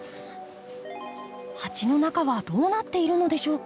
鉢の中はどうなっているのでしょうか？